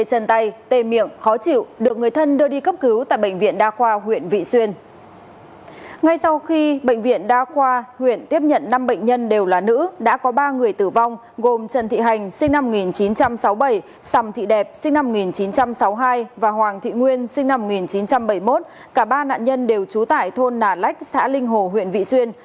sầm thị đẹp sinh năm một nghìn chín trăm sáu mươi hai và hoàng thị nguyên sinh năm một nghìn chín trăm bảy mươi một cả ba nạn nhân đều trú tại thôn nà lách xã linh hồ huyện vị xuyên